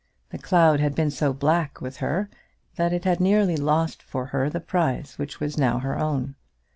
The cloud had been so black with her that it had nearly lost for her the prize which was now her own.